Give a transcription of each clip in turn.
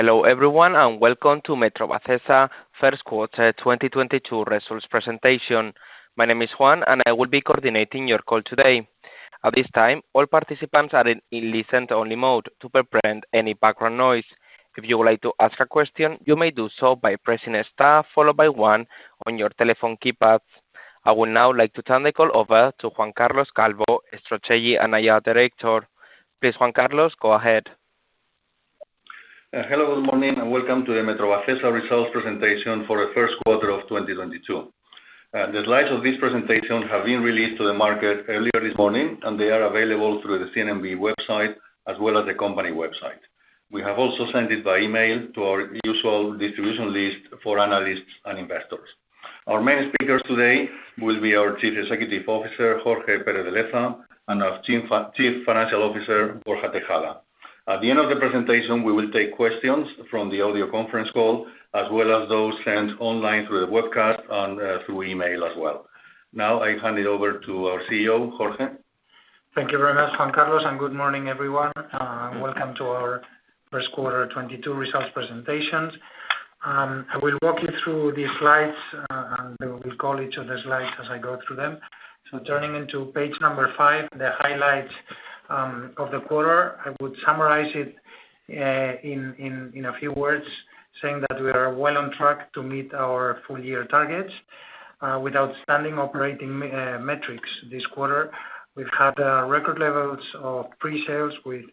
Hello everyone and welcome to Metrovacesa First Quarter 2022 results presentation. My name is Juan and I will be coordinating your call today. At this time, all participants are in listen only mode to prevent any background noise. If you would like to ask a question, you may do so by pressing star followed by one on your telephone keypad. I would now like to turn the call over to Juan Carlos Calvo, Strategy and IR Director. Please Juan Carlos, go ahead. Hello, good morning and welcome to the Metrovacesa results presentation for the first quarter of 2022. The slides of this presentation have been released to the market earlier this morning, and they are available through the CNMV website, as well as the company website. We have also sent it by email to our usual distribution list for analysts and investors. Our main speakers today will be our Chief Executive Officer, Jorge Pérez de Leza Eguiguren, and our Chief Financial Officer, Borja Tejada Rendón-Luna. At the end of the presentation, we will take questions from the audio conference call, as well as those sent online through the webcast and through email as well. Now, I hand it over to our CEO, Jorge. Thank you very much, Juan Carlos, and good morning, everyone, and welcome to our first quarter 2022 results presentation. I will walk you through these slides, and we will call each of the slides as I go through them. Turning into page number five, the highlights of the quarter. I would summarize it in a few words, saying that we are well on track to meet our full year targets, with outstanding operating metrics this quarter. We've had record levels of pre-sales with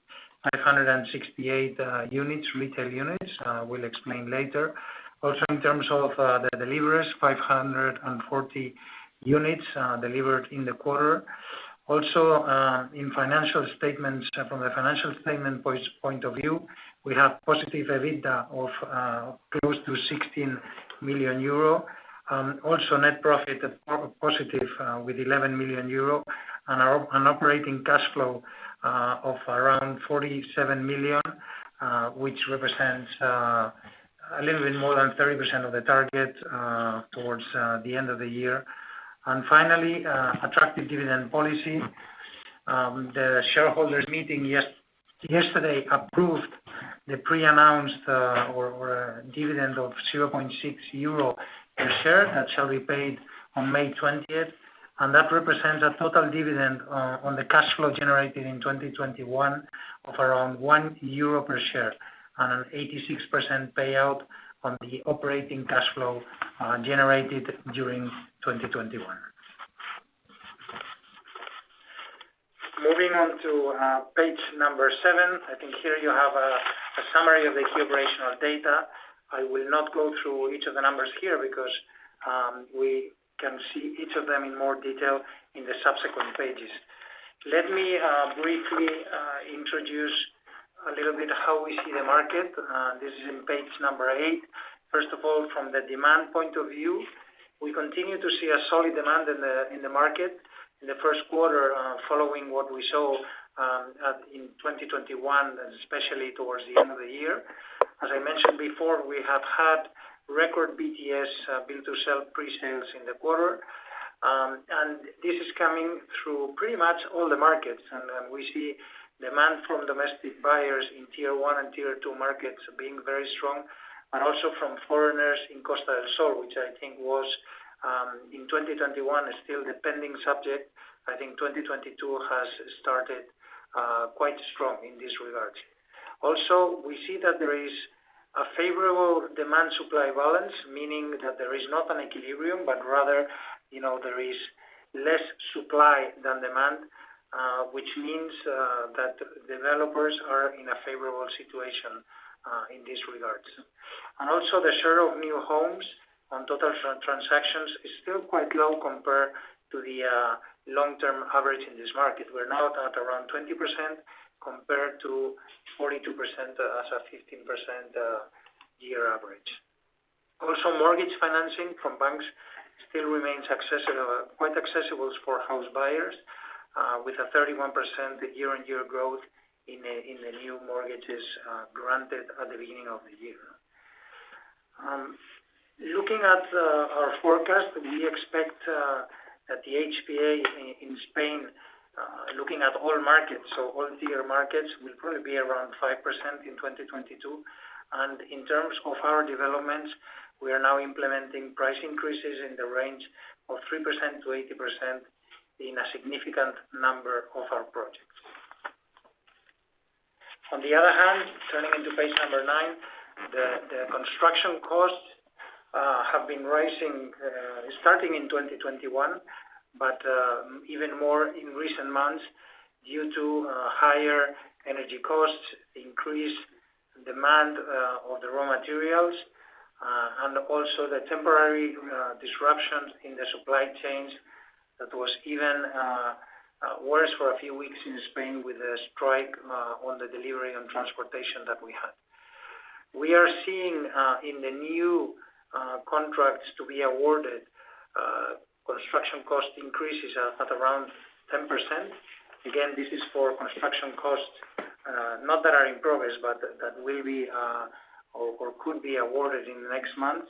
568 units, residential units, we'll explain later. Also, in terms of the deliveries, 540 units delivered in the quarter. Also, in financial statements, from the financial statement point of view, we have positive EBITDA of close to 16 million euro. Also net profit at positive, with 11 million euro and our operating cash flow of around 47 million, which represents a little bit more than 30% of the target towards the end of the year. Finally, attractive dividend policy. The shareholders meeting yesterday approved the pre-announced dividend of 0.6 euro per share. That shall be paid on May 20, and that represents a total dividend on the cash flow generated in 2021 of around 1 euro per share on an 86% payout on the operating cash flow generated during 2021. Moving on to page seven. I think here you have a summary of the key operational data. I will not go through each of the numbers here because we can see each of them in more detail in the subsequent pages. Let me briefly introduce a little bit how we see the market. This is in page eight. First of all, from the demand point of view, we continue to see a solid demand in the market in the first quarter following what we saw in 2021, and especially towards the end of the year. As I mentioned before, we have had record BTS Build-to-Sell pre-sales in the quarter. This is coming through pretty much all the markets. We see demand from domestic buyers in tier one and tier two markets being very strong and also from foreigners in Costa del Sol, which I think was in 2021 a still debated subject. I think 2022 has started quite strong in this regard. We see that there is a favorable demand supply balance, meaning that there is not an equilibrium, but rather, you know, there is less supply than demand, which means that developers are in a favorable situation in this regard. The share of new homes on total transactions is still quite low compared to the long-term average in this market. We're now at around 20% compared to 42% as a 15-year average. Also, mortgage financing from banks still remains accessible, quite accessible for house buyers, with a 31% year-on-year growth in the new mortgages granted at the beginning of the year. Looking at our forecast, we expect that the HPA in Spain, looking at all markets, so all tier markets, will probably be around 5% in 2022. In terms of our developments, we are now implementing price increases in the range of 3%-80% in a significant number of our projects. On the other hand, turning to page number nine, the construction costs have been rising starting in 2021, but even more in recent months due to higher energy costs, increased demand of the raw materials, and also the temporary disruptions in the supply chains that was even worse for a few weeks in Spain with a strike on the delivery and transportation that we had. We are seeing in the new contracts to be awarded construction cost increases at around 10%. Again, this is for construction costs, not that are in progress, but that will be or could be awarded in the next months.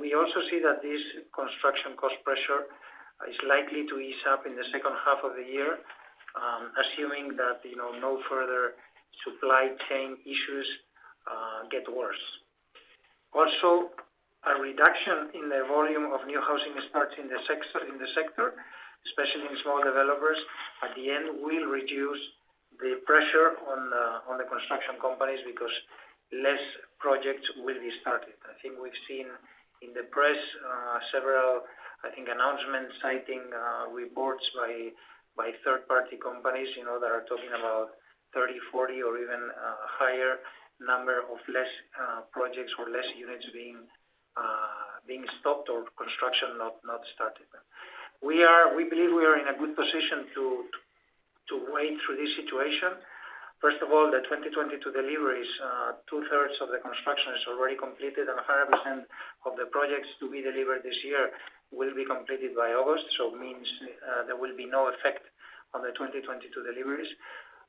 We also see that this construction cost pressure is likely to ease up in the second half of the year, assuming that, you know, no further supply chain issues get worse. Also, a reduction in the volume of new housing starts in the sector, especially in small developers, at the end will reduce the pressure on the construction companies because less projects will be started. I think we've seen in the press several, I think, announcements citing reports by third-party companies, you know, that are talking about 30, 40 or even higher number of less projects or less units being stopped or construction not started. We believe we are in a good position to wade through this situation. First of all, the 2022 deliveries, two-thirds of the construction is already completed, and 100% of the projects to be delivered this year will be completed by August. It means there will be no effect on the 2022 deliveries.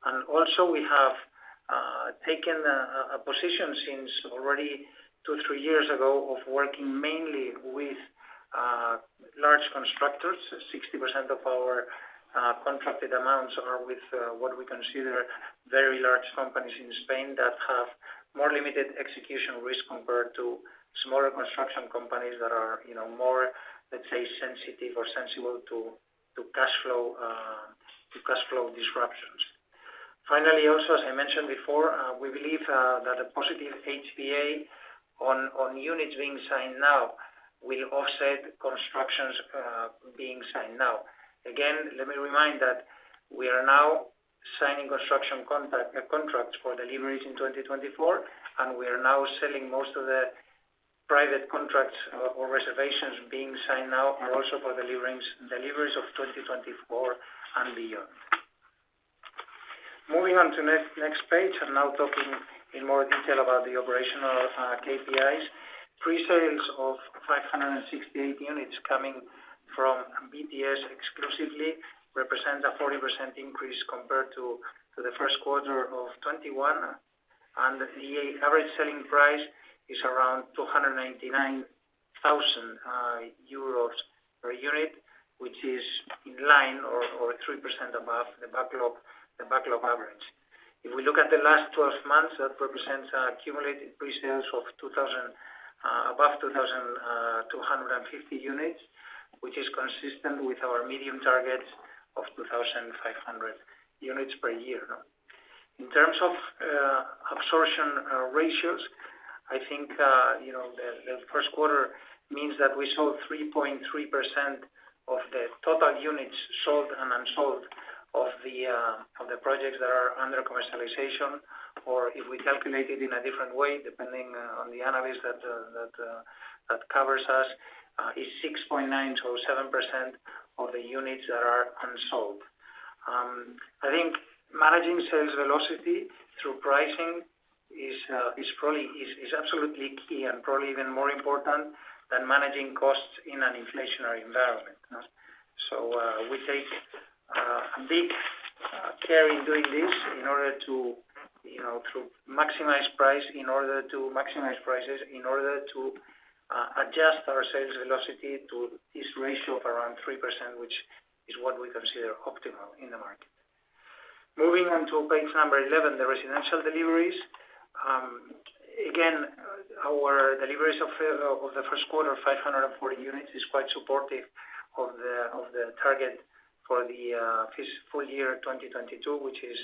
We have also taken a position since already two, three years ago of working mainly with large constructors. 60% of our contracted amounts are with what we consider very large companies in Spain that have more limited execution risk compared to smaller construction companies that are, you know, more, let's say, sensitive or sensible to cash flow disruptions. Finally, also, as I mentioned before, we believe that a positive HVA on units being signed now will offset constructions being signed now. Again, let me remind that we are now signing construction contract, contracts for deliveries in 2024, and we are now selling most of the private contracts or reservations being signed now are also for deliveries of 2024 and beyond. Moving on to next page. I'm now talking in more detail about the operational KPIs. Presales of 568 units coming from BTS exclusively represent a 40% increase compared to the first quarter of 2021, and the average selling price is around 299,000 euros per unit, which is in line or 3% above the backlog average. If we look at the last 12 months, that represents accumulated presales of above 2,250 units, which is consistent with our medium targets of 2,500 units per year. In terms of absorption ratios, I think you know the first quarter means that we sold 3.3% of the total units sold and unsold of the projects that are under commercialization, or if we calculate it in a different way, depending on the analyst that covers us, is 6.9%-7% of the units that are unsold. I think managing sales velocity through pricing is probably absolutely key and probably even more important than managing costs in an inflationary environment. We take big care in doing this in order to, you know, to maximize price, in order to maximize prices, in order to adjust our sales velocity to this ratio of around 3%, which is what we consider optimal in the market. Moving on to page number 11, the residential deliveries. Again, our deliveries of the first quarter, 540 units, is quite supportive of the target for the full year 2022, which is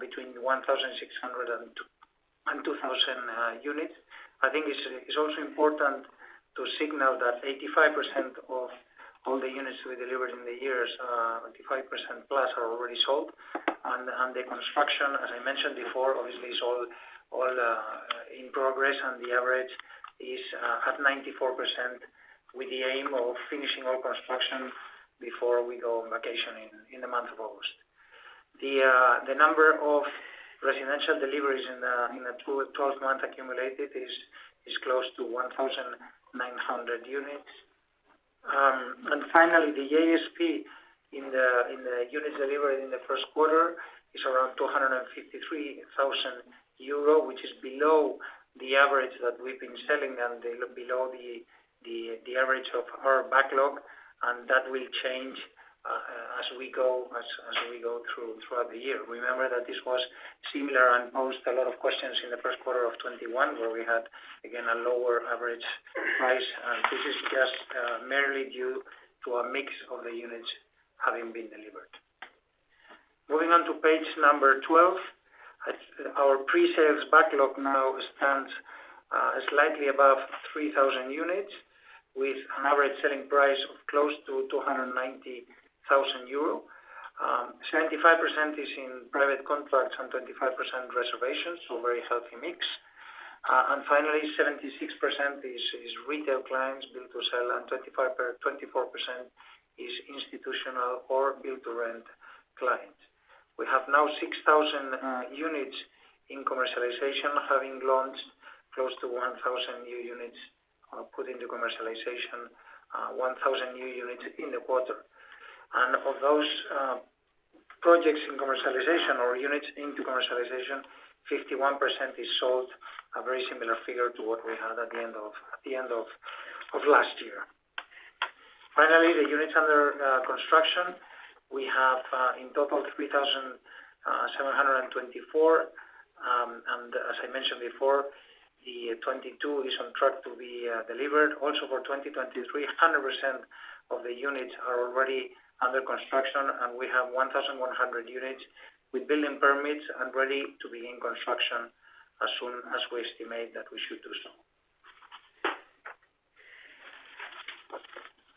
between 1,602 and 2,000 units. I think it's also important to signal that 85% plus of all the units we delivered in the years are already sold. The construction, as I mentioned before, obviously is all in progress, and the average is at 94% with the aim of finishing all construction before we go on vacation in the month of August. The number of residential deliveries in the 12-month accumulated is close to 1,900 units. And finally, the ASP in the units delivered in the first quarter is around 253,000 euro, which is below the average that we've been selling and below the average of our backlog, and that will change as we go through the year. Remember that this was similar and posed a lot of questions in the first quarter of 2021, where we had, again, a lower average price. This is just merely due to a mix of the units having been delivered. Moving on to page number 12. Our presales backlog now stands slightly above 3,000 units with an average selling price of close to 290,000 euro. 75% is in private contracts and 25% reservations, so very healthy mix. Finally, 76% is retail clients built to sell, and 24% is institutional or built to rent clients. We have now 6,000 units in commercialization, having launched close to 1,000 new units put into commercialization, 1,000 new units in the quarter. Of those, projects in commercialization or units into commercialization, 51% is sold, a very similar figure to what we had at the end of last year. Finally, the units under construction, we have in total 3,724. As I mentioned before, the 22 is on track to be delivered. Also, for 2023, 100% of the units are already under construction, and we have 1,100 units with building permits and ready to begin construction as soon as we estimate that we should do so.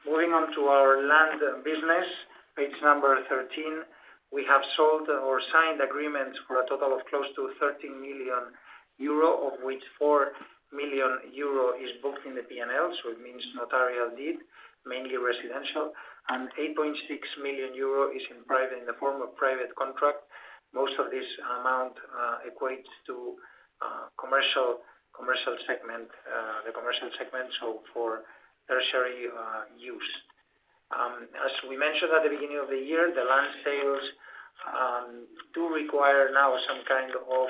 Moving on to our land business, page 13, we have sold or signed agreements for a total of close to 13 million euro, of which 4 million euro is booked in the P&L. It means notarial deed, mainly residential, and 8.6 million euro is in private, in the form of private contract. Most of this amount equates to the commercial segment, so for tertiary use. As we mentioned at the beginning of the year, the land sales do require now some kind of,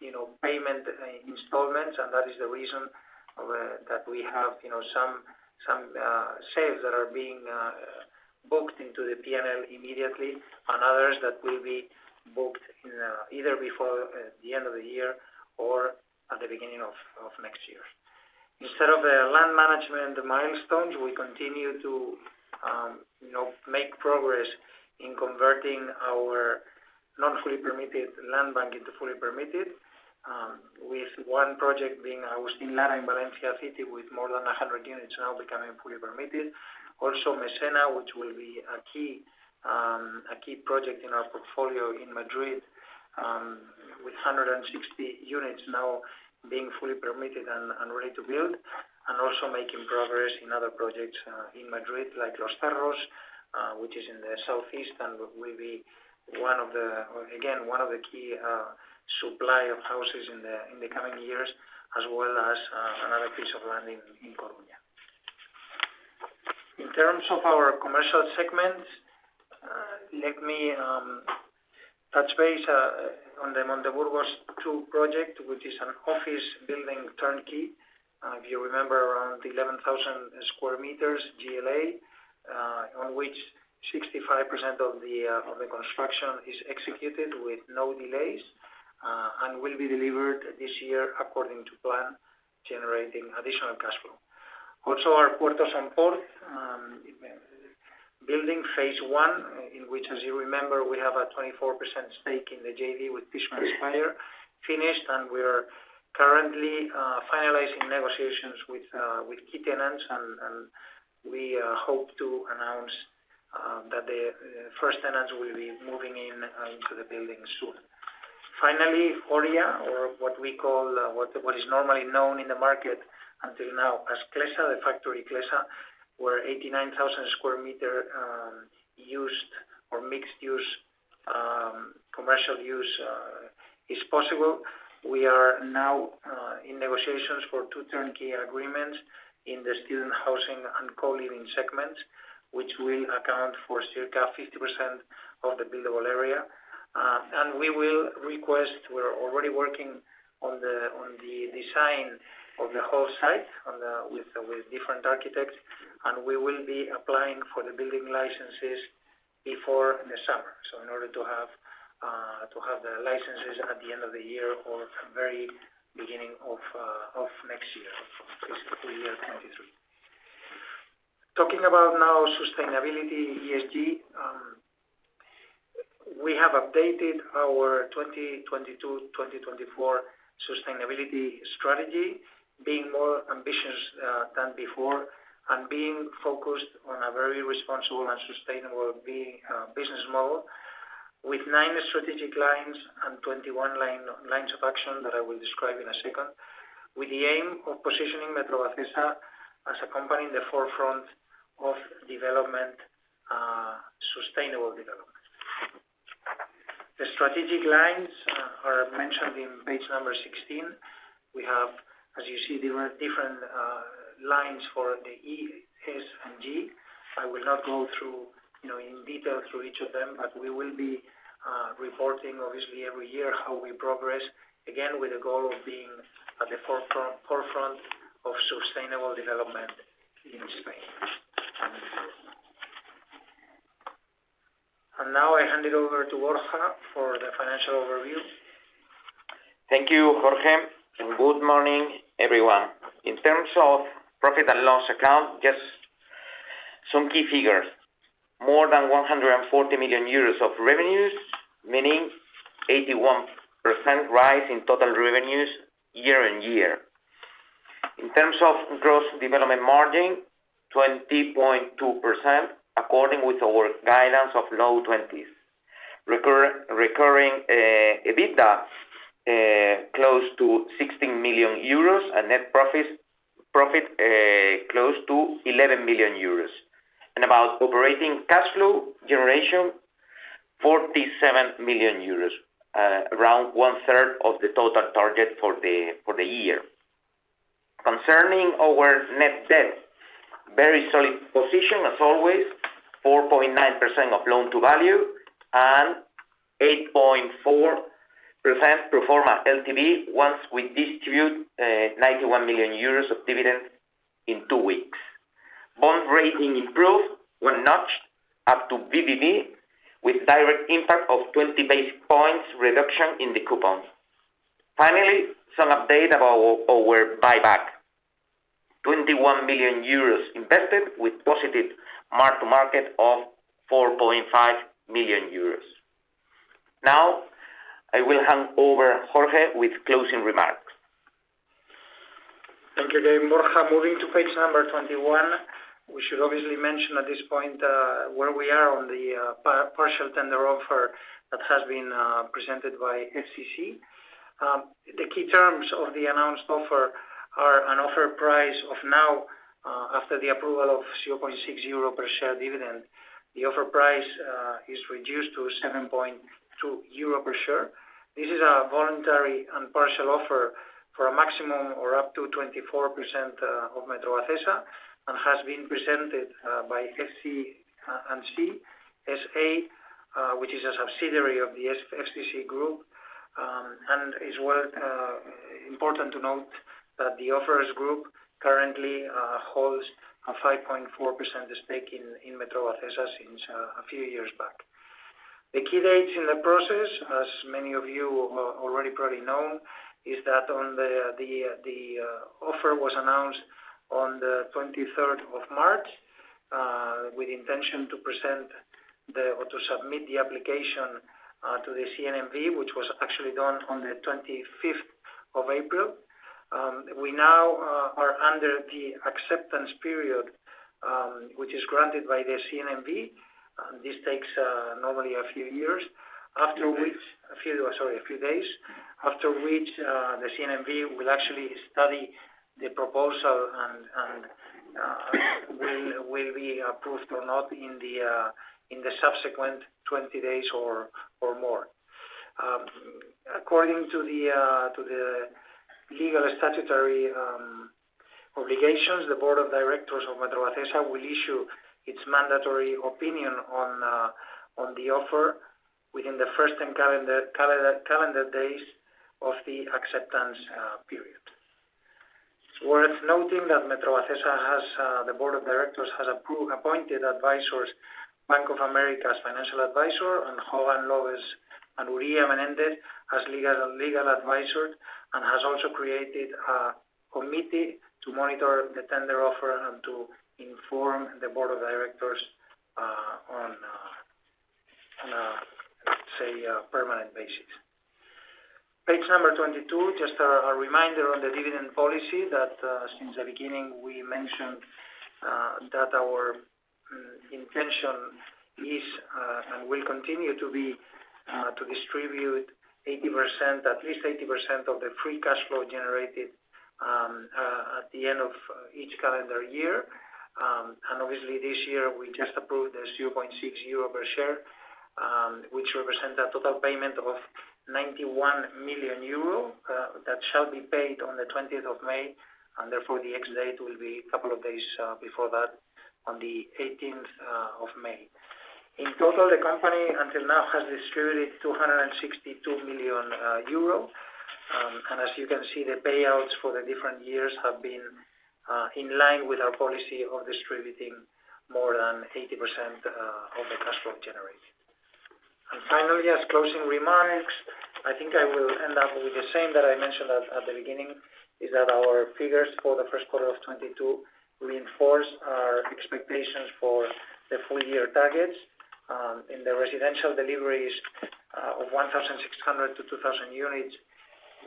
you know, payment installments, and that is the reason that we have, you know, some sales that are being booked into the P&L immediately and others that will be booked in either before the end of the year or at the beginning of next year. Instead of the land management milestones, we continue to, you know, make progress in converting our non-fully permitted land bank into fully permitted, with one project being Avenida de Ausiàs in Valencia City with more than 100 units now becoming fully permitted. CLESA, which will be a key project in our portfolio in Madrid, with 160 units now being fully permitted and ready to build, and also making progress in other projects in Madrid like Los Cerros, which is in the southeast and will be one of the key supply of houses in the coming years, as well as another piece of land in Colmenar Viejo. In terms of our commercial segments, let me touch base on the Burgos 2 project, which is an office building turnkey. If you remember, around 11,000 square meters GLA, on which 65% of the construction is executed with no delays, and will be delivered this year according to plan, generating additional cash flow. Our Puerto Somport building phase I, in which, as you remember, we have a 24% stake in the JV with Tishman Speyer, finished, and we are currently finalizing negotiations with key tenants and we hope to announce that the first tenants will be moving in into the building soon. Finally, Oria, or what we call, what is normally known in the market until now as CLESA, the factory CLESA, where 89,000 square meter used or mixed-use commercial use is possible. We are now in negotiations for two turnkey agreements in the student housing and co-living segments, which will account for circa 50% of the buildable area. We will request, we're already working on the design of the whole site with different architects, and we will be applying for the building licenses before the summer. In order to have the licenses at the end of the year or very beginning of next year, basically 2023. Talking about now sustainability ESG, we have updated our 2022/2024 sustainability strategy, being more ambitious than before and being focused on a very responsible and sustainable business model with nine strategic lines and 21 lines of action that I will describe in a second, with the aim of positioning Metrovacesa as a company in the forefront of development, sustainable development. The strategic lines are mentioned in page 16. We have, as you see, different lines for the E, S, and G. I will not go through, you know, in detail through each of them, but we will be reporting obviously every year how we progress, again, with the goal of being at the forefront of sustainable development in Spain. Now I hand it over to Borja for the financial overview. Thank you, Jorge, and good morning, everyone. In terms of profit and loss account, just some key figures. More than 140 million euros of revenues, meaning 81% rise in total revenues year-on-year. In terms of gross development margin, 20.2% according with our guidance of low twenties. Recurring EBITDA close to 16 million euros and net profit close to 11 million euros. About operating cash flow generation, 47 million euros, around one-third of the total target for the year. Concerning our net debt, very solid position as always, 4.9% of loan to value and 8.4% pro forma LTV once we distribute 91 million euros of dividends in two weeks. Bond rating improved one notch up to BBB with direct impact of 20 basis points reduction in the coupons. Finally, some update about our buyback. 21 million euros invested with positive mark to market of 4.5 million euros. Now, I will hand over Jorge with closing remarks. Thank you, Borja Tejada Rendón-Luna. Moving to page 21. We should obviously mention at this point where we are on the partial tender offer that has been presented by FCC. The key terms of the announced offer are an offer price of now, after the approval of 0.6 euro per share dividend. The offer price is reduced to 7.2 euro per share. This is a voluntary and partial offer for a maximum or up to 24% of Metrovacesa, and has been presented by FCC S.A., which is a subsidiary of the FCC Group. It's, well, important to note that the offeror's group currently holds a 5.4% stake in Metrovacesa since a few years back. The key dates in the process, as many of you already probably know, is that on the offer was announced on the 23rd of March, with intention to submit the application to the CNMV, which was actually done on the 25th of April. We now are under the acceptance period, which is granted by the CNMV. This takes normally a few years, after which. Days. Sorry a few days after which the CNMV will actually study the proposal and will be approved or not in the subsequent 20 days or more. According to the legal statutory obligations, the board of directors of Metrovacesa will issue its mandatory opinion on the offer within the first 10 calendar days of the acceptance period. Worth noting that the Board of Directors of Metrovacesa has approved and appointed advisors, Bank of America as financial advisor, and Hogan Lovells and Uría Menéndez as legal advisors, and has also created a committee to monitor the tender offer and to inform the Board of Directors on a say permanent basis. Page number 22, just a reminder on the dividend policy that since the beginning, we mentioned that our intention is and will continue to be to distribute 80%, at least 80% of the free cash flow generated at the end of each calendar year. Obviously this year we just approved the 0.6 euro per share, which represent a total payment of 91 million euro that shall be paid on the 20th of May, and therefore the ex-date will be a couple of days before that on the 18th of May. In total, the company until now has distributed 262 million euro. As you can see, the payouts for the different years have been in line with our policy of distributing more than 80% of the cash flow generated. Finally, as closing remarks, I think I will end up with the same that I mentioned at the beginning is that our figures for the first quarter of 2022 reinforce our expectations for the full year targets in the residential deliveries of 1,600-2,000 units.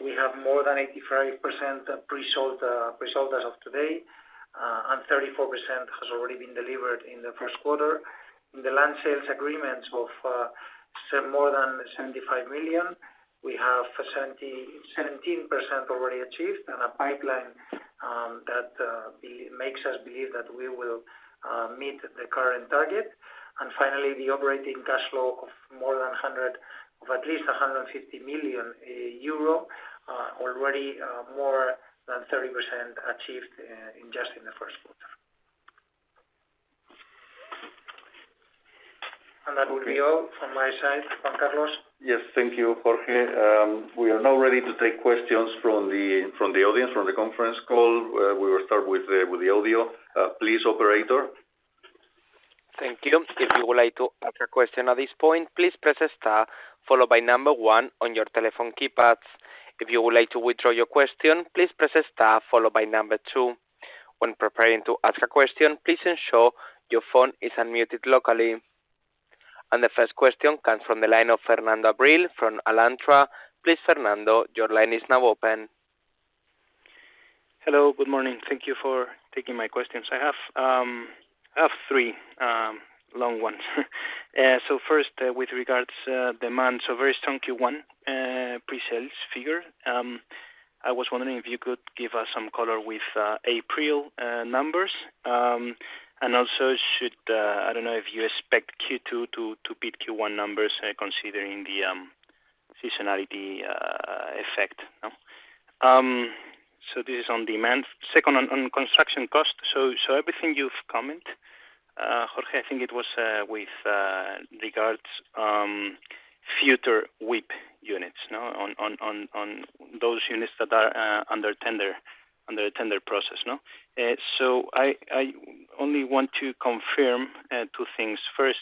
We have more than 85% pre-sold as of today, and 34% has already been delivered in the first quarter. In the land sales agreements of more than 75 million, we have 17% already achieved and a pipeline that makes us believe that we will meet the current target. Finally, the operating cash flow of at least 150 million euro already more than 30% achieved in just the first quarter. That will be all from my side. Juan Carlos? Yes. Thank you, Jorge. We are now ready to take questions from the audience, from the conference call. We will start with the audio. Please, operator. Thank you. If you would like to ask a question at this point, please press star followed by number one on your telephone keypads. If you would like to withdraw your question, please press star followed by number two. When preparing to ask a question, please ensure your phone is unmuted locally. The first question comes from the line of Fernando Abril-Martorell from Alantra. Please, Fernando, your line is now open. Hello, good morning. Thank you for taking my questions. I have three long ones. First, with regards to demand, very strong Q1 pre-sales figure. I was wondering if you could give us some color with April numbers. Also, I don't know if you expect Q2 to beat Q1 numbers, considering the seasonality effect, no? This is on demand. Second, on construction cost. Everything you've commented, Jorge, I think it was, with regards to future WIP units, no? On those units that are under tender process, no? I only want to confirm two things. First,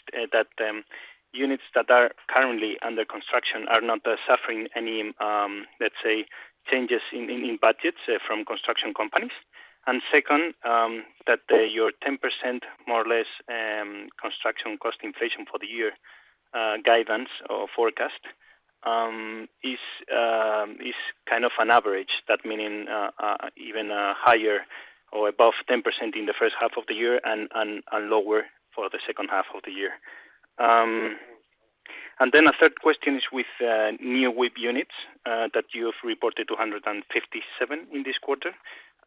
units that are currently under construction are not suffering any, let's say, changes in budgets from construction companies. Second, that your 10% more or less construction cost inflation for the year guidance or forecast is kind of an average. That meaning, even higher or above 10% in the first half of the year and lower for the second half of the year. A third question is with new WIP units that you have reported 257 in this quarter.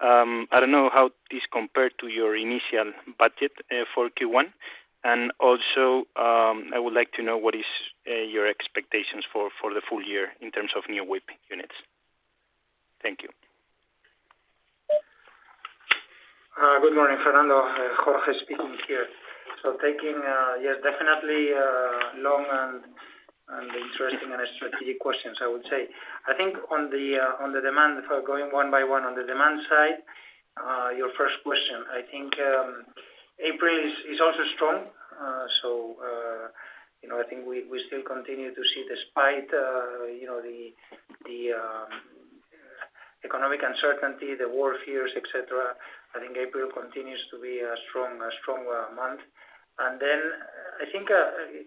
I don't know how this compared to your initial budget for Q1. Also, I would like to know what is your expectations for the full year in terms of new WIP units. Thank you. Good morning, Fernando. Jorge speaking here. Yes, definitely long and interesting and strategic questions, I would say. I think on the demand, if we're going one by one, on the demand side, your first question, I think April is also strong. You know, I think we still continue to see despite you know, the economic uncertainty, the war fears, et cetera, I think April continues to be a strong month. I think you know,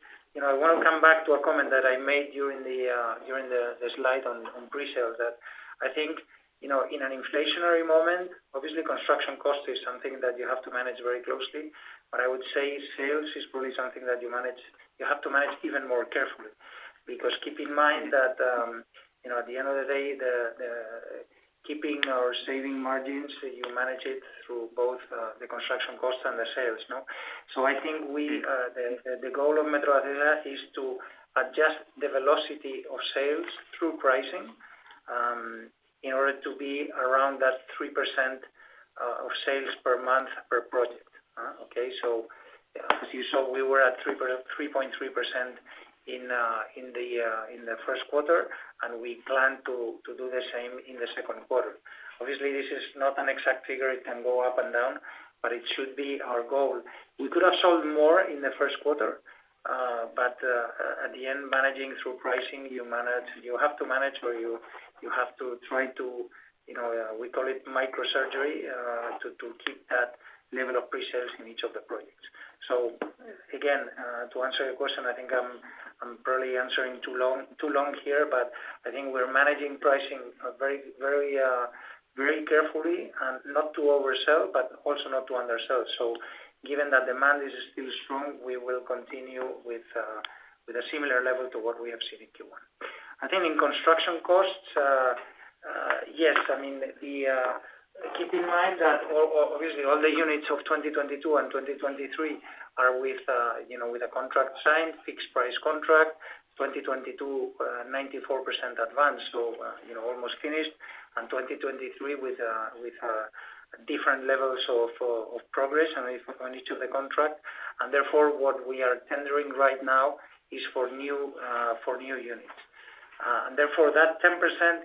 I want to come back to a comment that I made during the slide on pre-sale. That I think you know, in an inflationary moment, obviously construction cost is something that you have to manage very closely. I would say sales is probably something that you manage, you have to manage even more carefully. Because keep in mind that, you know, at the end of the day, the keeping or saving margins, you manage it through both, the construction cost and the sales, no? I think the goal of Metrovacesa is to adjust the velocity of sales through pricing, in order to be around that 3% of sales per month, per project. Okay, as you saw, we were at 3.3% in the first quarter, and we plan to do the same in the second quarter. Obviously, this is not an exact figure. It can go up and down, but it should be our goal. We could have sold more in the first quarter, but at the end, managing through pricing, you have to manage or you have to try to, you know, we call it microsurgery, to keep that level of pre-sales in each of the projects. Again, to answer your question, I think I'm probably answering too long here, but I think we're managing pricing very carefully and not to oversell, but also not to undersell. Given that demand is still strong, we will continue with a similar level to what we have seen in Q1. I think in construction costs, yes. I mean, keep in mind that obviously all the units of 2022 and 2023 are with, you know, with a contract signed, fixed price contract. 2022, ninety-four percent advanced, so, you know, almost finished. 2023 with different levels of progress on each of the contract. Therefore, what we are tendering right now is for new units. Therefore that 10%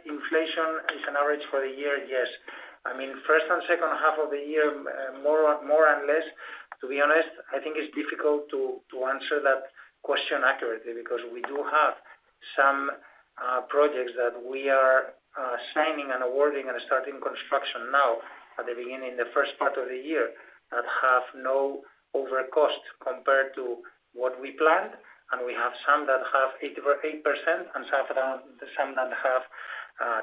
inflation is an average for the year, yes. I mean, first and second half of the year, more and less, to be honest, I think it's difficult to answer that question accurately because we do have some projects that we are signing and awarding and starting construction now at the beginning, the first part of the year, that have no overcost compared to what we planned. We have some that have 8% and some that have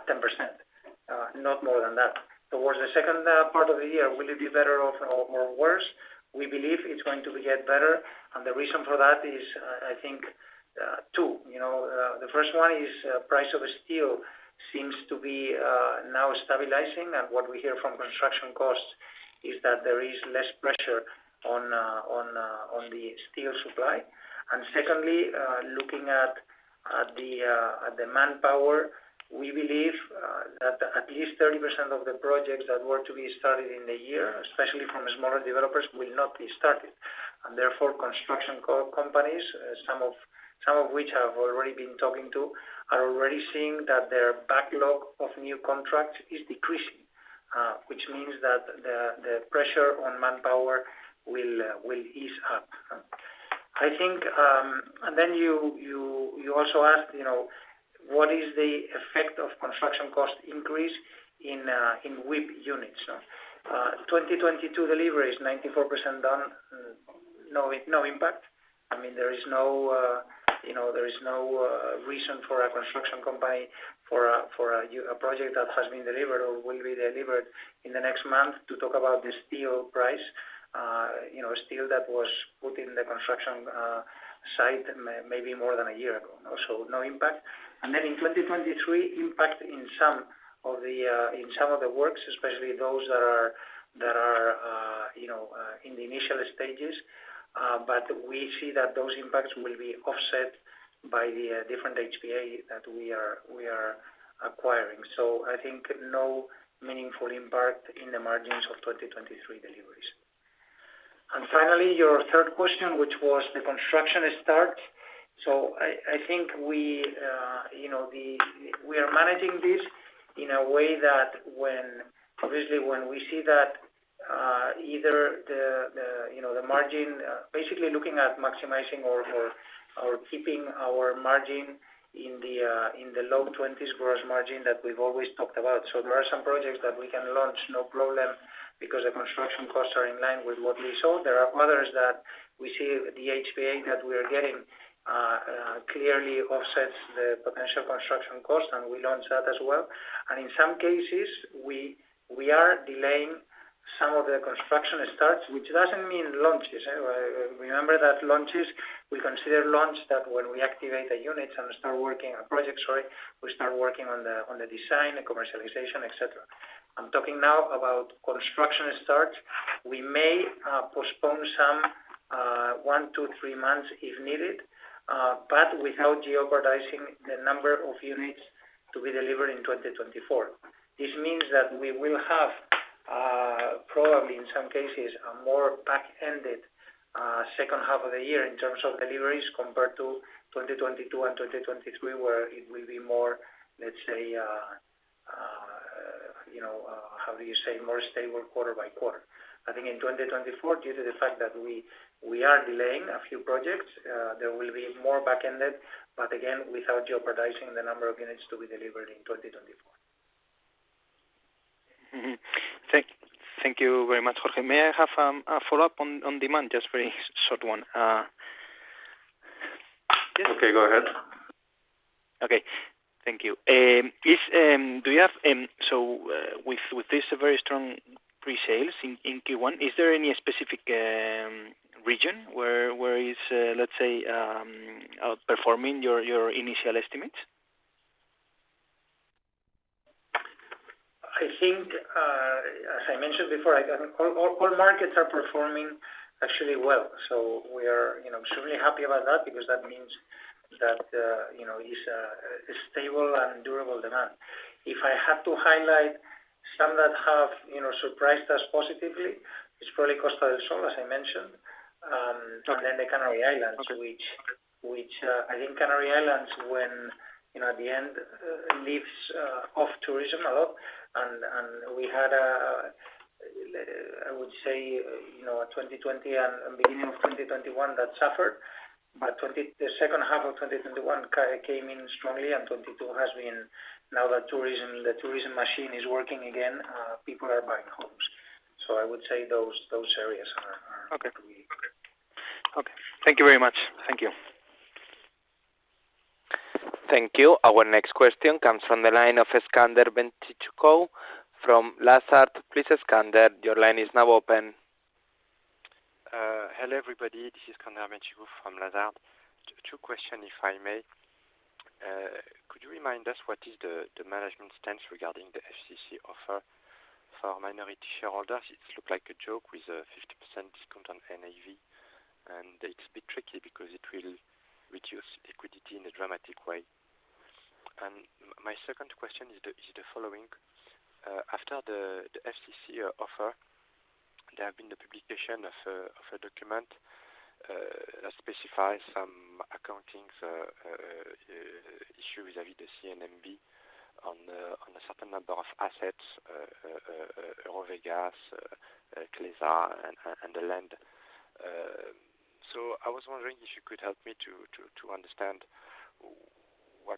10%, not more than that. Towards the second part of the year, will it be better off or worse? We believe it's going to get better, and the reason for that is, I think, two. You know, the first one is, price of steel seems to be now stabilizing. What we hear from construction costs is that there is less pressure on the steel supply. Secondly, looking at the manpower, we believe that at least 30% of the projects that were to be started in the year, especially from smaller developers, will not be started. Therefore, construction companies, some of which I've already been talking to, are already seeing that their backlog of new contracts is decreasing, which means that the pressure on manpower will ease up. I think, then you also asked, you know, what is the effect of construction cost increase in WIP units, no? 2022 delivery is 94% done. No impact. I mean, there is no reason for a construction company for a project that has been delivered or will be delivered in the next month to talk about the steel price. Steel that was put in the construction site maybe more than a year ago. No impact. In 2023, impact in some of the works, especially those that are in the initial stages. We see that those impacts will be offset by the different HPA that we are acquiring. I think no meaningful impact in the margins of 2023 deliveries. Finally, your third question, which was the construction start. I think we are managing this in a way that, obviously, when we see that either the margin basically looking at maximizing or keeping our margin in the low 20s% gross margin that we've always talked about. There are some projects that we can launch, no problem, because the construction costs are in line with what we sold. There are others that we see the HPA that we are getting clearly offsets the potential construction costs, and we launch that as well. In some cases, we are delaying some of the construction starts, which doesn't mean launches. Remember that we consider a launch when we activate the units and start working on the design, the commercialization, et cetera. I'm talking now about construction starts. We may postpone some one-three months if needed, but without jeopardizing the number of units to be delivered in 2024. This means that we will have probably in some cases a more back-ended second half of the year in terms of deliveries compared to 2022 and 2023, where it will be more, let's say, you know, how do you say, more stable quarter-by-quarter. I think in 2024, due to the fact that we are delaying a few projects, they will be more backended, but again, without jeopardizing the number of units to be delivered in 2024. Mm-hmm. Thank you very much, Jorge. May I have a follow-up on demand? Just very short one. Okay, go ahead. Okay. Thank you. Please, do you have, so with this very strong pre-sales in Q1, is there any specific region where is, let's say, outperforming your initial estimates? I think, as I mentioned before, I think all markets are performing actually well. We are, you know, extremely happy about that because that means that, you know, it's a stable and durable demand. If I had to highlight some that have, you know, surprised us positively, it's probably Costa del Sol, as I mentioned. Okay. The Canary Islands, which I think, Canary Islands when, you know, at the end lives off tourism a lot. We had, I would say, you know, 2020 and beginning of 2021 that suffered. The second half of 2021 came in strongly and 2022 has been now that tourism, the tourism machine is working again, people are buying homes. I would say those areas are. Okay. To be. Okay. Thank you very much. Thank you. Thank you. Our next question comes from the line of Scander Bentichikou from Lazard. Please, Scander, your line is now open. Hello, everybody. This is Scander Bentchikou from Lazard. Two questions, if I may. Could you remind us what is the management stance regarding the FCC offer for minority shareholders? It look like a joke with a 50% discount on NAV, and it's a bit tricky because it will reduce liquidity in a dramatic way. My second question is the following. After the FCC offer, there have been the publication of a document that specifies some accounting issues vis-à-vis the CNMV on a certain number of assets, Eurovegas, CLESA and the land. I was wondering if you could help me to understand what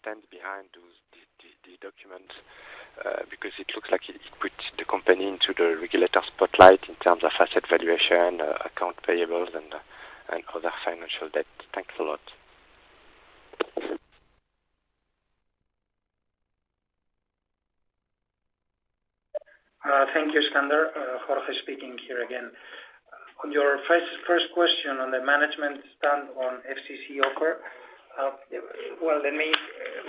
stands behind those, the document, because it looks like it put the company into the regulator spotlight in terms of asset valuation, accounts payable and other financial debt. Thanks a lot. Thank you, Scander. Jorge Pérez de Leza speaking here again. On your first question on the management stance on FCC offer, well, let me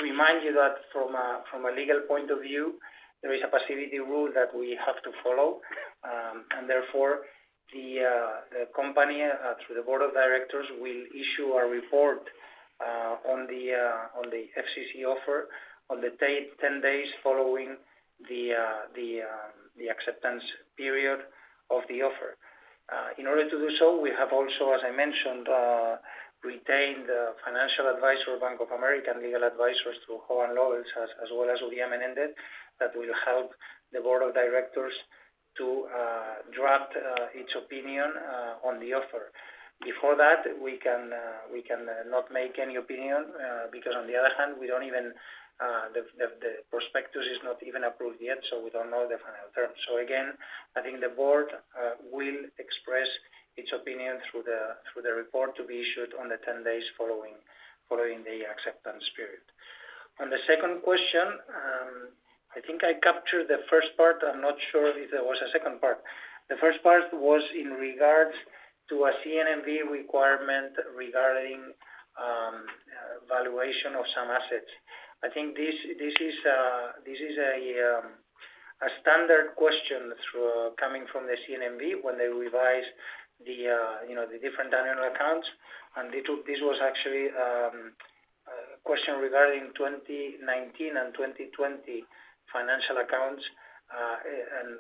remind you that from a legal point of view, there is a statutory rule that we have to follow. Therefore, the company through the board of directors will issue a report on the FCC offer on the date 10 days following the acceptance period of the offer. In order to do so, we have also, as I mentioned, retained the financial advisor, Bank of America, and legal advisors through Hogan Lovells, as well as Uría Menéndez, that will help the Board of Directors to draft its opinion on the offer. Before that, we cannot make any opinion because on the other hand, we don't even the prospectus is not even approved yet, so we don't know the final terms. Again, I think the board will express its opinion through the report to be issued within the 10 days following the acceptance period. On the second question, I think I captured the first part. I'm not sure if there was a second part. The first part was in regard to a CNMV requirement regarding evaluation of some assets. I think this is a standard question coming from the CNMV when they revise you know the different annual accounts. This was actually a question regarding 2019 and 2020 financial accounts,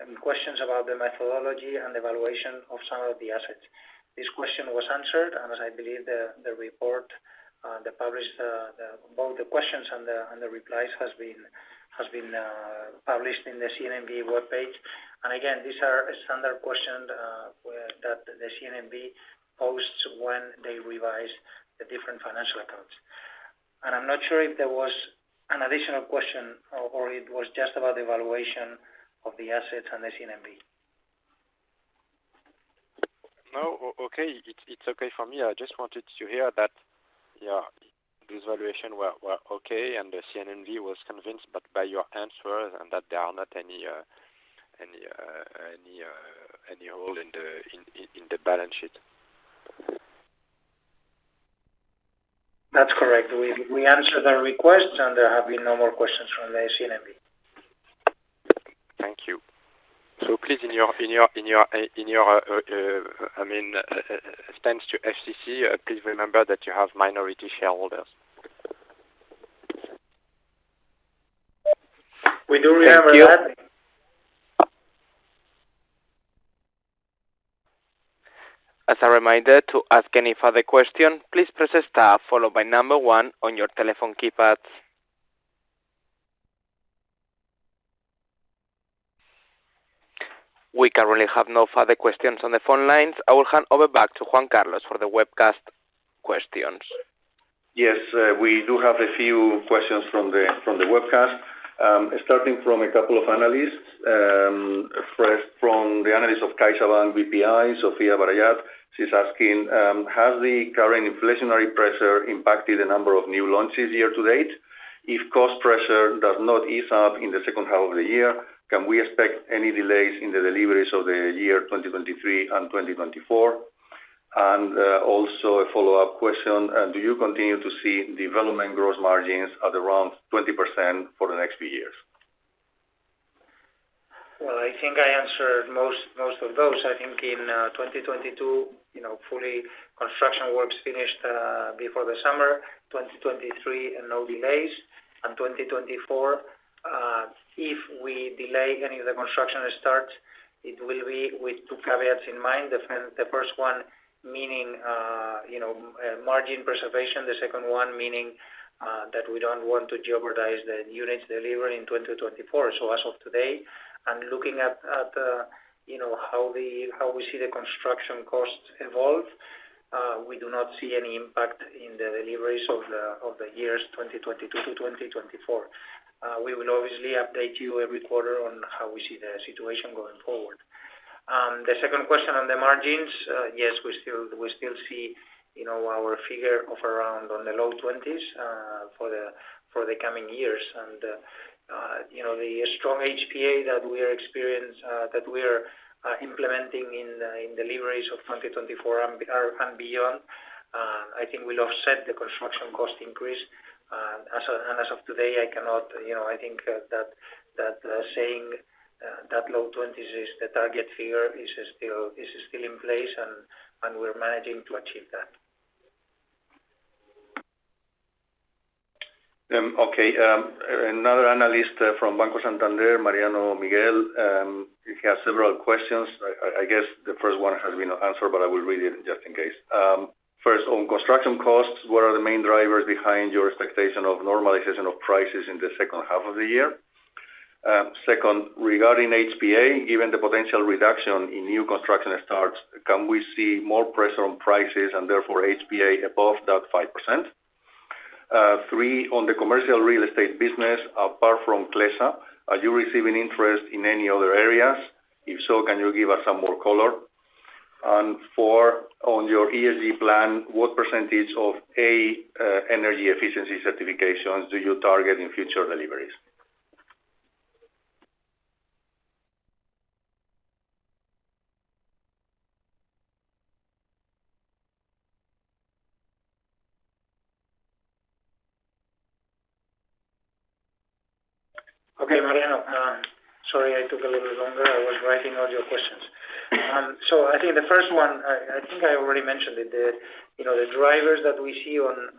and questions about the methodology and evaluation of some of the assets. This question was answered, and as I believe the report that published both the questions, and the replies has been published in the CNMV webpage. Again, these are standard questions that the CNMV posts when they revise the different financial accounts. I'm not sure if there was an additional question or it was just about the evaluation of the assets and the CNMV. No. Okay. It's okay for me. I just wanted to hear that, yeah, this evaluation were okay and the CNMV was convinced, but by your answers and that there are not any hole in the balance sheet. That's correct. We answered their requests, and there have been no more questions from the CNMV. Thank you. Please, in your, I mean, response to FCC, please remember that you have minority shareholders. We do remember that. Thank you. As a reminder to ask any further question, please press star followed by number one on your telephone keypads. We currently have no further questions on the phone lines. I will hand over back to Juan Carlos for the webcast questions. Yes, we do have a few questions from the webcast. Starting from a couple of analysts, first from the analyst of CaixaBank BPI, Sofía Barajas. She's asking, has the current inflationary pressure impacted the number of new launches year to date? If cost pressure does not ease up in the second half of the year, can we expect any delays in the deliveries of the year 2023 and 2024? Also a follow-up question, do you continue to see development gross margins at around 20% for the next few years? Well, I think I answered most of those. I think in 2022, you know, full construction works finished before the summer. 2023, no delays. 2024, if we delay any of the construction starts, it will be with two caveats in mind. The first one meaning, you know, margin preservation. The second one meaning, that we don't want to jeopardize the units delivery in 2024. As of today, and looking at, you know, how we see the construction costs evolve, we do not see any impact in the deliveries of the years 2022 to 2024. We will obviously update you every quarter on how we see the situation going forward. The second question on the margins, yes, we still see, you know, our figure of around low 20s% for the coming years. You know, the strong HPA that we are implementing in deliveries of 2024 and beyond, I think will offset the construction cost increase. As of today, I cannot, you know. I think saying that low 20s% is the target figure is still in place, and we're managing to achieve that. Okay. Another analyst from Banco Santander, Mariano Miguel. He has several questions. I guess the first one has been answered, but I will read it just in case. First on construction costs, what are the main drivers behind your expectation of normalization of prices in the second half of the year? Second, regarding HPA, given the potential reduction in new construction starts, can we see more pressure on prices and therefore HPA above that 5%? Three, on the commercial real estate business, apart from CLESA, are you receiving interest in any other areas? If so, can you give us some more color? Four, on your ESG plan, what percentage of A energy efficiency certifications do you target in future deliveries? Okay, Mariano. Sorry I took a little longer. I was writing all your questions. I think the first one, I think I already mentioned it. You know, the drivers that we see on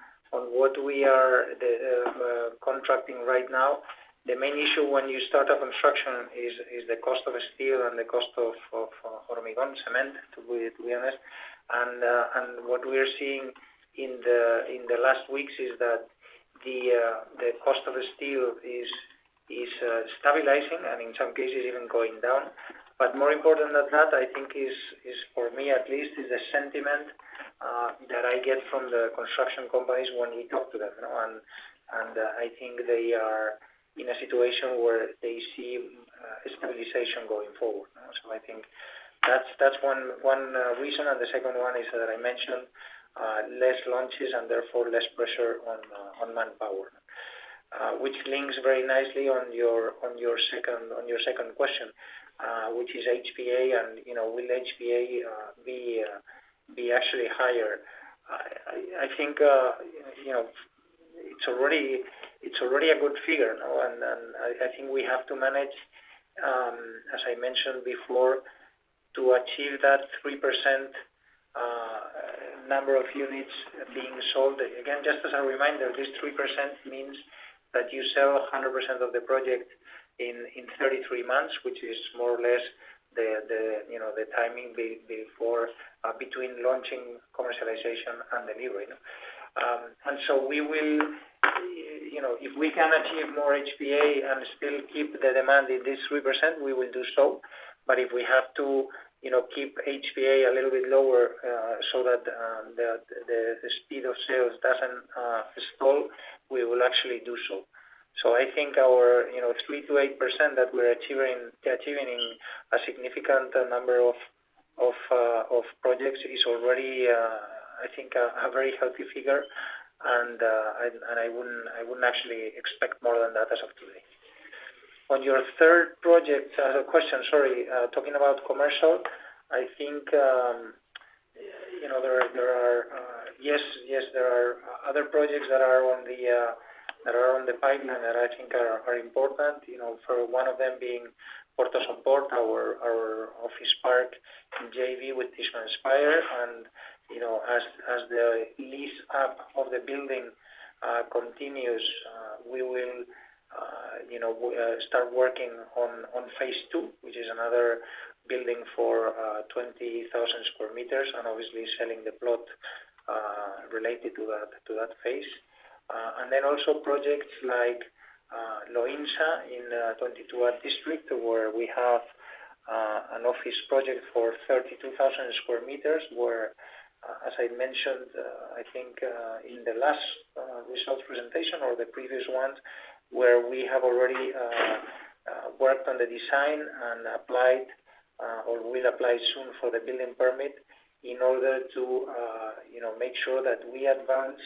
what we are contracting right now. The main issue when you start a construction is the cost of steel and the cost of hormigón, cement, to be honest. What we are seeing in the last weeks is that the cost of the steel is stabilizing and, in some cases, even going down. More important than that, I think is for me at least is the sentiment that I get from the construction companies when we talk to them. I think they are in a situation where they see a stabilization going forward. I think that's one reason. The second one is that I mentioned, less launches and therefore less pressure on manpower. Which links very nicely to your second question, which is HPA and, you know, will HPA be actually higher. I think, you know, it's already a good figure now, and I think we have to manage, as I mentioned before, to achieve that 3% number of units being sold. Again, just as a reminder, this 3% means that you sell 100% of the project in 33 months, which is more or less the timing between launching commercialization and delivery. We will, you know, if we can achieve more HPA and still keep the demand in this 3%, we will do so. If we have to, you know, keep HPA a little bit lower so that the speed of sales doesn't slow, we will actually do so. I think our, you know, 3%-8% that we're achieving in a significant number of projects is already, I think, a very healthy figure. I wouldn't actually expect more than that as of today. On your third project, question, sorry, talking about commercial, I think, you know, there are other projects that are on the pipeline that I think are important. You know, for one of them being Puerto Somport, our office park JV with Tishman Speyer. You know, as the lease-up of the building continues, we will, you know, start working on phase two, which is another building for 20,000 square meters, and obviously selling the plot related to that phase. Projects like Loinsa in 22@ District, where we have an office project for 32,000 square meters, where, as I mentioned, I think, in the last results presentation or the previous ones, where we have already worked on the design and applied or will apply soon for the building permit in order to, you know, make sure that we advance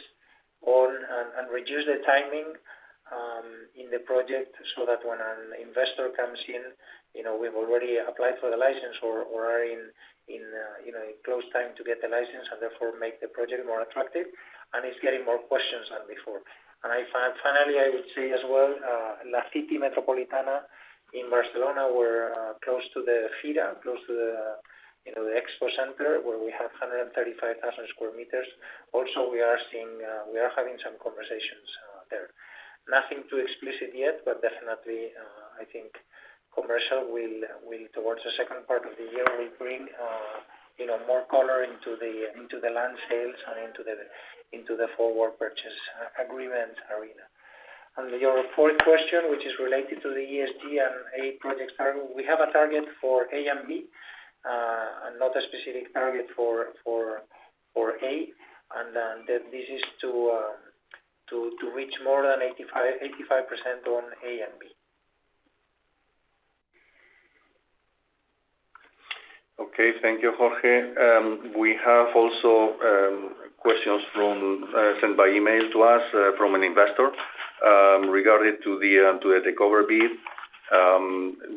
on and reduce the timing in the project so that when an investor comes in, you know, we've already applied for the license or are close in time to get the license and therefore make the project more attractive. It's getting more questions than before. Finally, I would say as well, City Metropolitana in Barcelona, we're close to the Fira, close to the expo center, where we have 135,000 square meters. Also, we are seeing we are having some conversations there. Nothing too explicit yet, but definitely, I think commercial will towards the second part of the year will bring more color into the land sales and into the forward purchase agreement arena. Your fourth question, which is related to the ESG and A projects target, we have a target for A and B, and not a specific target for A. This is to reach more than 85% on A and B. Okay. Thank you, Jorge. We have also questions sent by email to us from an investor regarding the takeover bid.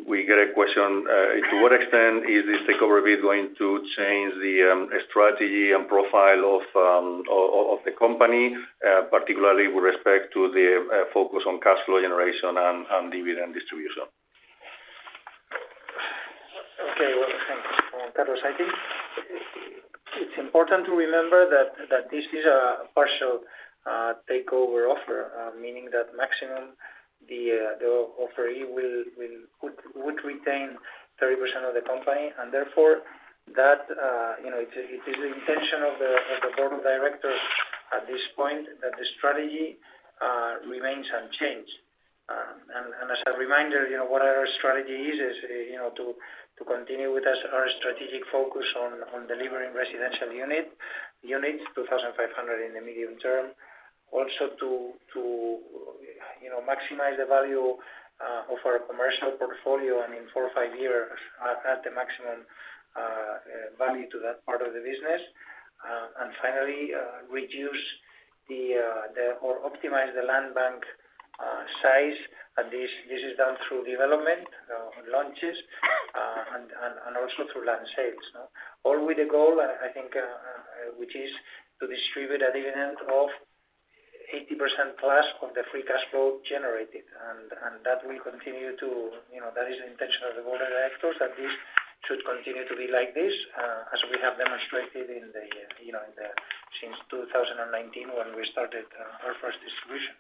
We get a question to what extent is this takeover bid going to change the strategy and profile of the company, particularly with respect to the focus on cash flow generation and dividend distribution? Okay. Well, thank you, Juan Carlos. I think it's important to remember that this is a partial takeover offer, meaning that maximum the offeree would retain 30% of the company, and therefore that you know, it is the intention of the board of directors at this point that the strategy remains unchanged. As a reminder, you know, what our strategy is you know, to continue with our strategic focus on delivering residential units, 2,500 in the medium term. Also, to you know, maximize the value of our commercial portfolio and in four or five years, add the maximum value to that part of the business. Finally, reduce or optimize the land bank size. This is done through development, launches, and also through land sales, no? All with the goal, I think, which is to distribute a dividend of 80% plus of the free cash flow generated. That will continue to, you know, that is the intention of the board of directors, that this should continue to be like this, as we have demonstrated since 2019 when we started our first distribution.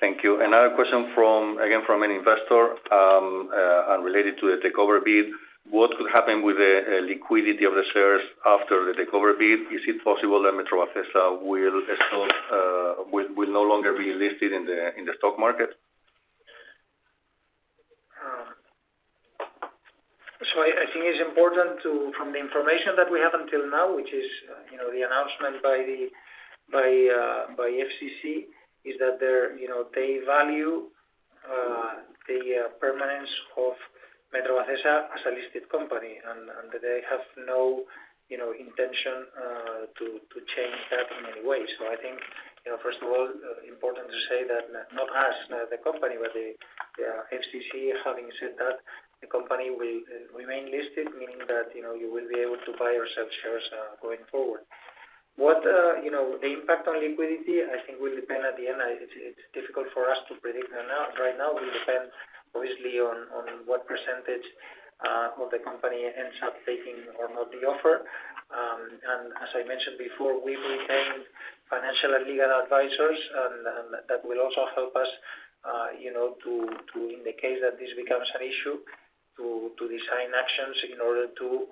Thank you. Another question from, again, from an investor, and related to the takeover bid. What could happen with the liquidity of the shares after the takeover bid? Is it possible that Metrovacesa will no longer be listed in the stock market? I think it's important from the information that we have until now, which is, you know, the announcement by FCC, is that they're, you know, they value the permanence of Metrovacesa as a listed company and they have no, you know, intention to change that in any way. I think, you know, first of all, important to say that not us, the company, but FCC having said that the company will remain listed, meaning that, you know, you will be able to buy or sell shares going forward. What, you know, the impact on liquidity, I think will depend at the end. It's difficult for us to predict right now. It will depend obviously on what percentage of the company ends up taking or not the offer. As I mentioned before, we've retained financial and legal advisors and that will also help us, you know, in the case that this becomes an issue to design actions in order to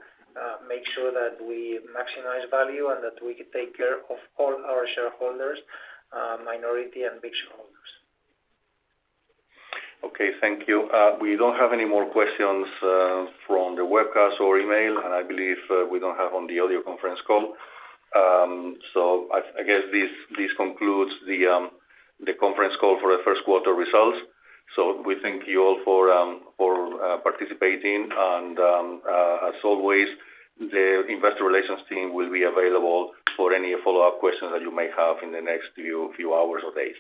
make sure that we maximize value and that we take care of all our shareholders, minority and big shareholders. Okay. Thank you. We don't have any more questions from the webcast or email, and I believe we don't have on the audio conference call. I guess this concludes the conference call for the first quarter results. We thank you all for participating and, as always, the investor relations team will be available for any follow-up questions that you may have in the next few hours or days.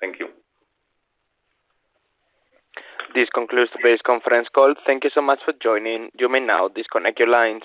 Thank you. This concludes today's conference call. Thank you so much for joining. You may now disconnect your lines.